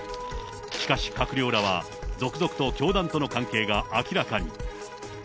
しかし、閣僚らは続々と教団との関係が明らかに。